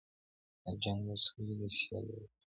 د جنګ د سولي د سیالیو وطن-